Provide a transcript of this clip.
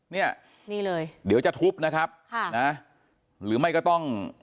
นี่เลยเดี๋ยวจะทุบนะครับหรือไม่ก็ต้อง